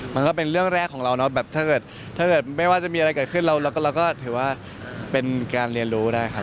มันก็เป็นเรื่องแรกของเราเนาะแบบถ้าเกิดถ้าเกิดไม่ว่าจะมีอะไรเกิดขึ้นเราก็ถือว่าเป็นการเรียนรู้ได้ครับ